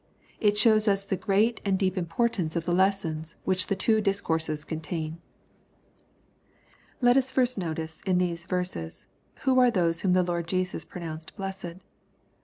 It shows us the great and deep importance of the lessons which the two discourses contain. Let us first notice in these verses, who are those whom the Lord Jesua pronounced blessed.